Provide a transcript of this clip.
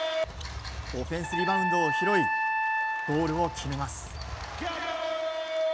オフェンスリバウンドを拾いゴールを決めます。